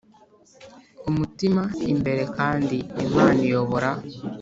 umutima imbere, kandi imana iyobora!